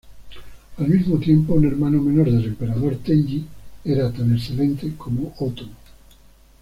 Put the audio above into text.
Al mismo tiempo, un hermano menor del emperador Tenji era tan excelente como Ōtomo.